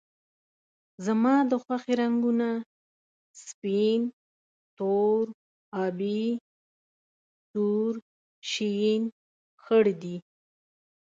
زما د خوښې رنګونه سپین، تور، آبي ، سور، شین ، خړ دي